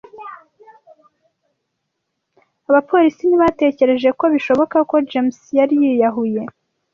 Abapolisi ntibatekereje ko bishoboka ko James yari yiyahuye.